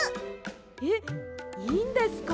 えっいいんですか？